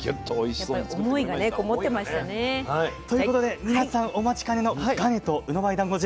やっぱり思いがねこもってましたね。ということで皆さんお待ちかねの「がね」と「うのばい団子汁」